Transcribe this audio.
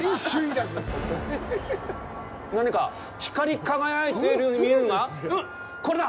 何か光り輝いているように見えるのが、うん、これだ！